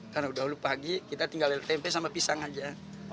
karena udah lalu pagi kita tinggal tempe sama pisang aja